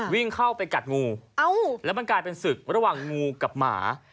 วิ่งเข้าไปกัดงูแล้วมันกลายเป็นศึกระหว่างงูกับหมา